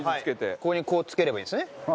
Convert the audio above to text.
ここにこうつければいいんですよね？